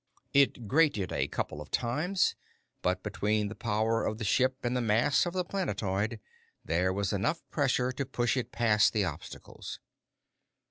It grated a couple of times, but between the power of the ship and the mass of the planetoid, there was enough pressure to push it past the obstacles.